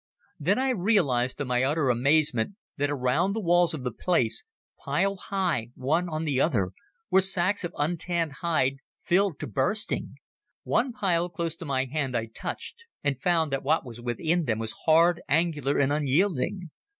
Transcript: Then I realised to my utter amazement that around the walls of the place, piled high, one on the other, were sacks of untanned hide filled to bursting. One pile close to my hand I touched, and found that what was within them was hard, angular and unyielding.